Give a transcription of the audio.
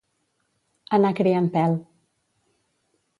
Anar criant pèl.